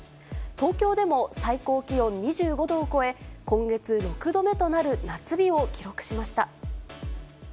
東京でも最高気温２５度を超え、今月６度目となる夏日を記録しました。